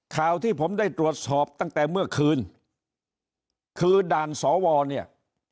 ข่าวที่ผมได้ตรวจสอบตั้งแต่เมื่อคืนคือด่านสวเนี่ย